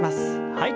はい。